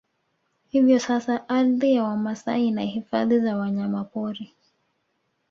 Hivyo sasa ardhi ya Wamasai ina Hifadhi za Wanyamapori